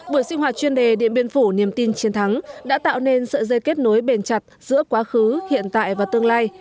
buổi sinh hoạt chuyên đề điện biên phủ niềm tin chiến thắng đã tạo nên sự dây kết nối bền chặt giữa quá khứ hiện tại và tương lai